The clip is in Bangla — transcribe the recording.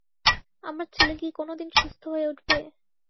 আমার ছেলে কি কোনোদিন সুস্থ হয়ে উঠবে?